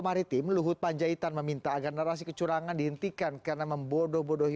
maritim luhut panjaitan meminta agar narasi kecurangan dihentikan karena membodo bodohi